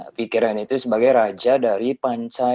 nah pikiran itu sebagai raja dari pancai